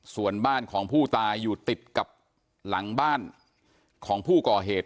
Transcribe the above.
ส่วนบ้านของผู้ตายอยู่ติดกับหลังบ้านของผู้ก่อเหตุ